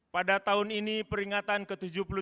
pada tahun ini peringatan ke tujuh puluh tiga